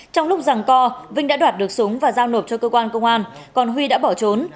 trong lúc rằng co vinh đã đoạt được súng và giao nộp cho cơ quan công an còn huy đã bỏ trốn